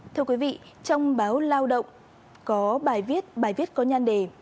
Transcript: thưa quý vị trong báo lao động có bài viết bài viết có nhan đề